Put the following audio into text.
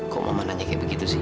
kok mama nanya kayak begitu sih